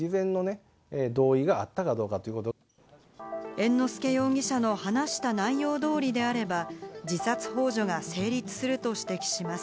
猿之助容疑者の話した内容通りであれば、自殺ほう助が成立すると指摘します。